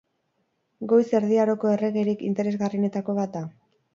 Goiz Erdi Aroko erregerik interesgarrienetako bat da.